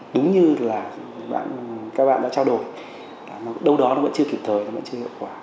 đúng như là các bạn đã trao đổi đâu đó nó vẫn chưa kịp thời nó vẫn chưa hiệu quả